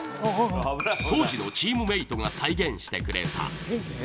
当時のチームメートが再現してくれた。